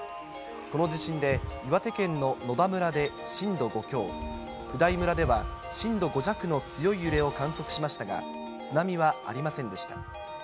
この地震で、岩手県の野田村で震度５強、普代村では震度５弱の強い揺れを観測しましたが、津波はありませんでした。